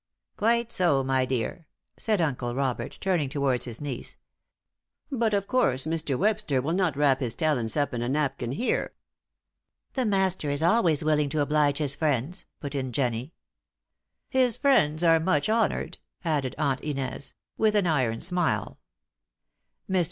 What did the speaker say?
"Quite so, my dear," said Uncle Robert, turning towards his niece. "But, of course, Mr. Webster will not wrap his talents up in a napkin here." "The Master is always willing to oblige his friends," put in Jennie. "His friends are much honoured," added Aunt Inez, with an iron smile. Mr.